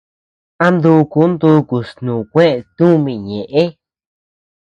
Am duku dukus nukue tumi ñeʼe.